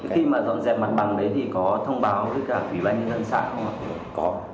khi mà dọn dẹp mặt bằng đấy thì có thông báo với cả ủy ban nhân dân xã không có